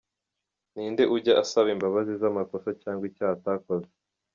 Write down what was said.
Ni nde ujya asaba imbabazi z’amakosa cg icyaha atakoze ?